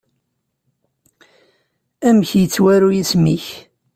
Amek yettwaru yisem-ik?